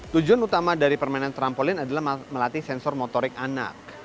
tujuan utama dari permainan trampolin adalah melatih sensor motorik anak